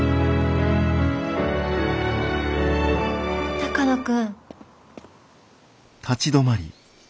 鷹野君。